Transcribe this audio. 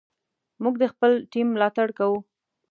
موږ د خپل ټیم ملاتړ کوو.